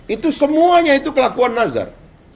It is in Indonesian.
itu semuanya itu kelakuan nazar